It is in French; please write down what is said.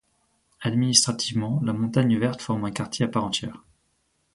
Administrativement, la Montagne Verte forme un quartier à part entière.